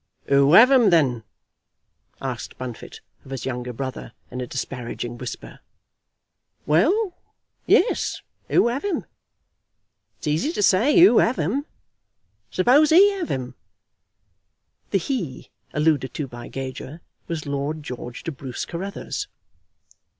"Who have 'em, then?" asked Bunfit of his younger brother, in a disparaging whisper. "Well; yes; who 'ave 'em? It's easy to say, who 'ave 'em? Suppose 'e 'ave 'em." The "he" alluded to by Gager was Lord George de Bruce Carruthers.